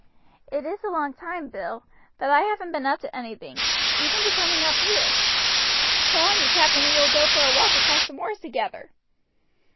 "It is a long time, Bill, but I haven't been up to anything, even to coming up here. Put on your cap and we will go for a walk across the moors together."